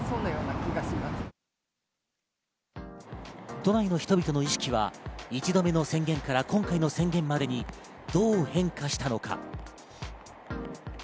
都内の人々の意識は１度目の宣言から今回の宣言までに、どう変化したのか。